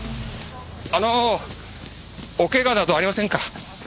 あのお怪我などありませんか？